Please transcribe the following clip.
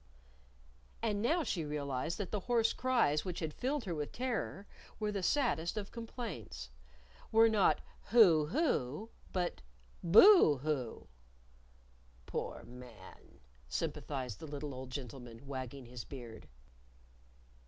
And now she realized that the hoarse cries which had filled her with terror were the saddest of complaints! were not "Hoo! hoo!" but "Boo! hoo!" "Poor man!" sympathized the little old gentleman, wagging his beard.